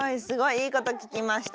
いいこと聞きました。